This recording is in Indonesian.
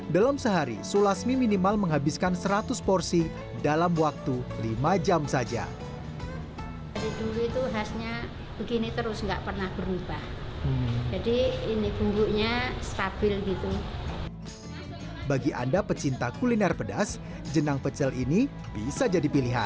dalam sehari sulasmi minimal menghabiskan seratus porsi dalam waktu lima jam saja